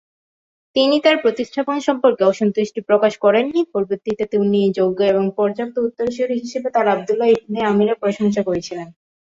তিনি তার প্রতিস্থাপন সম্পর্কে অসন্তুষ্টি প্রকাশ করেননি, পরিবর্তে তিনি যোগ্য ও পর্যাপ্ত উত্তরসূরি হিসাবে তার আবদুল্লাহ ইবনে আমিরের প্রশংসা করেছিলেন।